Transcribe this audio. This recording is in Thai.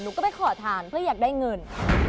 หนูก็ไม่ขอทานเพราะอยากได้เงิน